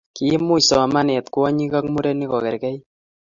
kiimuch somanee kwonyik ak murenik kokerkeit